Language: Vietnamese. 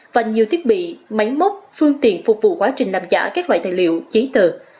và nhiều thiết bị máy móc phương tiện phục vụ quá trình làm giả các loại tài liệu giấy tờ